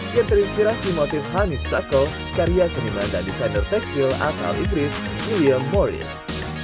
yang terinspirasi motif hanis sacco karya seniman dan desainer tekstil asal inggris william morris